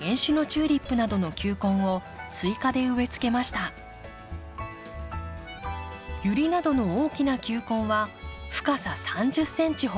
ユリなどの大きな球根は深さ３０センチほどで。